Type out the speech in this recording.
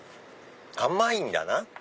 甘いんだな。